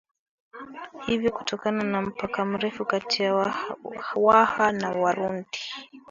Hivyo kutokana na mpaka mrefu kati ya waha na warundi